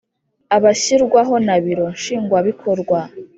abashyirwaho na biro nshingwabikorwa